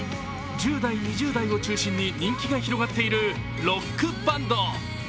１０代、２０代を中心に人気が広がっているロックバンド。